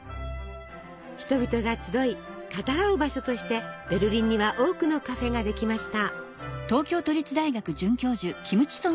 人々が集い語らう場所としてベルリンには多くのカフェができました。